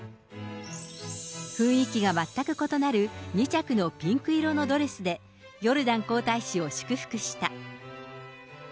雰囲気が全く異なる２着のピンク色のドレスで、ヨルダン皇太子を祝福した。